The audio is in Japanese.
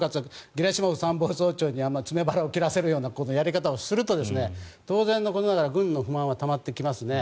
ゲラシモフ参謀総長に詰め腹を切らせるようなやり方をすると当然のことながら軍の不満はたまってきますね。